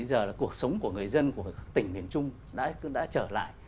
giờ là cuộc sống của người dân của tỉnh miền trung đã trở lại